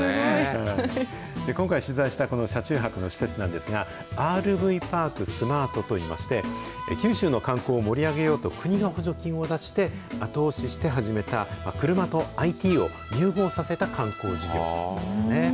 今回、取材したこの車中泊の施設なんですが、ＲＶパークｓｍａｒｔといいまして、九州の観光を盛り上げようと、国が補助金を出して、後押しして始めた、車とＩＴを融合させた観光事業なんですね。